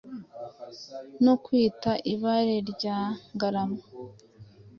no kwitwa Ibare rya Ngarama